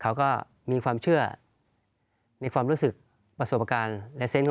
เขาก็มีความเชื่อในความรู้สึกประสบการณ์